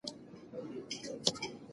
ټېکنالوژي د سږو ژورې برخې ته لاسرسی لري.